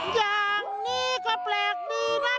อย่างนี้ก็แปลกดีนะ